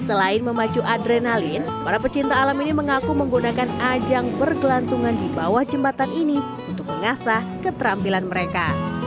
selain memacu adrenalin para pecinta alam ini mengaku menggunakan ajang bergelantungan di bawah jembatan ini untuk mengasah keterampilan mereka